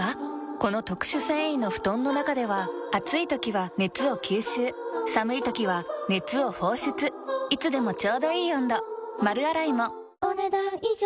この特殊繊維の布団の中では暑い時は熱を吸収寒い時は熱を放出いつでもちょうどいい温度丸洗いもお、ねだん以上。